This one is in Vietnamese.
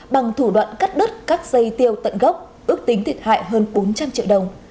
bằng thủ đoạn cắt đứt các dây tiêu tận gốc ước tính thiệt hại hơn bốn trăm linh triệu đồng